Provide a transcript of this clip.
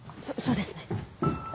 そそうですね。